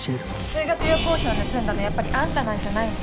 修学旅行費を盗んだのやっぱりあんたなんじゃないの？